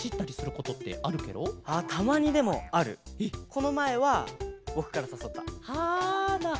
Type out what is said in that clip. このまえはぼくからさそった！はあ